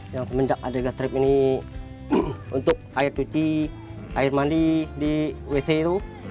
yang semenjak ada gas trap ini untuk air cuci air mandi di wc itu